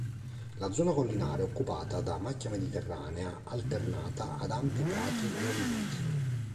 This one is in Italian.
La zona collinare è occupata da macchia mediterranea alternata ad ampi prati e oliveti.